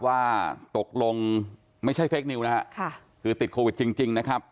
ว่าตกลงไม่ใช่เฟคนิวนะฮะค่ะคือติดโควิดจริงจริงนะครับ